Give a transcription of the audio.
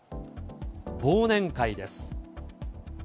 忘年会です。